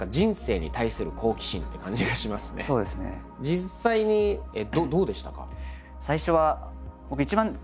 実際にどうでしたか？